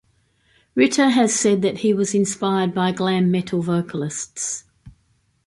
Ritter has said that he was inspired by glam metal vocalists.